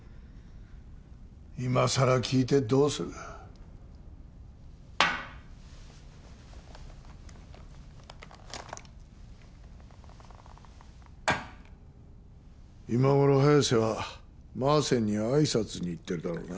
今さら聞いてどうする今頃早瀬は馬森に挨拶に行ってるだろうな